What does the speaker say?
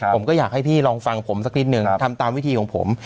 ผมก็อยากให้พี่ลองฟังผมสักนิดนึงทำตามวิธีของผม